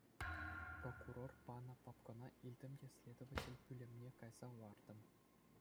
Прокурор панӑ папкӑна илтӗм те следователь пӳлӗмне кайса лартӑм.